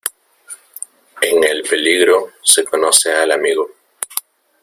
En el peligro, se conoce al amigo.